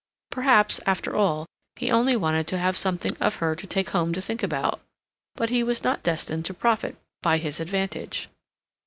Perhaps, after all, he only wanted to have something of her to take home to think about. But he was not destined to profit by his advantage.